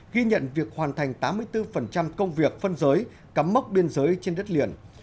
ghi nhận việc hoàn thành tám mươi bốn công việc phân giới cắm mốc biên giới trên đất liền